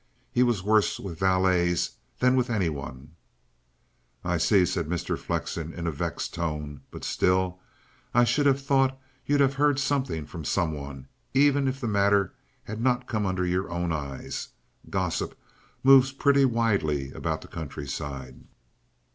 He was worse with valets than with any one." "I see," said Mr. Flexen in a vexed tone. "But still, I should have thought you'd have heard something from some one, even if the matter had not come under your own eyes. Gossip moves pretty widely about the countryside."